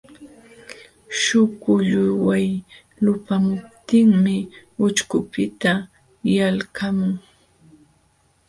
Śhukulluway lupamuptinmi ucćhkunpiqta yalqamun.